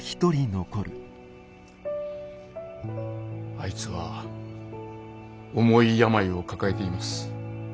あいつは重い病を抱えています。